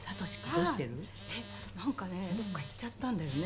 どっか行っちゃったんだよね。